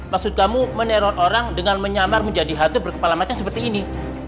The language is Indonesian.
maksud kamu meneror orang dengan menyamar menjadi halte berkepala macam seperti ini